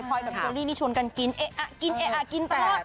ค่อยกับกอลลี่นี่ชวนกันกินเอ๊ะกินไปแล้ว